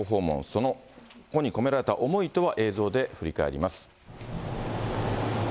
そこに込められた思いとは、映像で振り返ります。